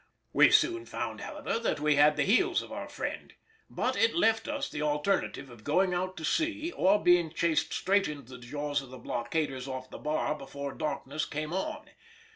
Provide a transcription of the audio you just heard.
We soon found however, that we had the heels of our friend, but it left us the alternative of going out to sea or being chased straight into the jaws of the blockaders off the bar before darkness came on.